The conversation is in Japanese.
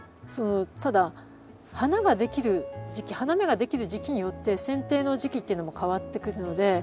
ただ花ができる時期花芽ができる時期によってせん定の時期っていうのも変わってくるので。